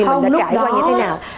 mình đã trải qua như thế nào